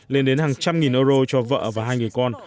lên đến hàng trăm nghìn euro cho vợ và hai người con